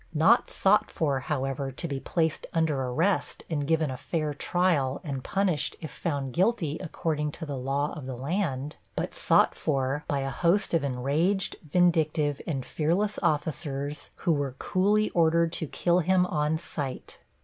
Not sought for, however, to be placed under arrest and given a fair trial and punished if found guilty according to the law of the land, but sought for by a host of enraged, vindictive and fearless officers, who were coolly ordered to kill him on sight.